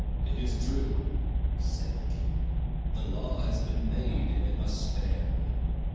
"It is true," said the king. "The law has been made, and it must stand."